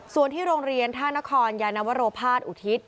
ส่วนที่โรงเรียนท่านครยานวโรภาษอุทิศ